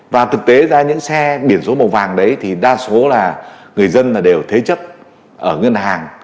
và thực tế ra những xe biển số màu vàng đấy thì đa số là người dân đều thế chấp ở ngân hàng